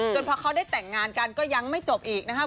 พอเขาได้แต่งงานกันก็ยังไม่จบอีกนะครับ